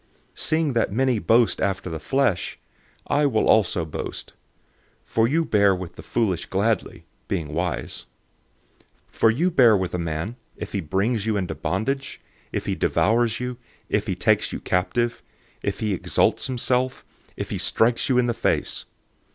011:018 Seeing that many boast after the flesh, I will also boast. 011:019 For you bear with the foolish gladly, being wise. 011:020 For you bear with a man, if he brings you into bondage, if he devours you, if he takes you captive, if he exalts himself, if he strikes you on the face.